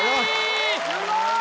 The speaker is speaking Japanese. ・すごい！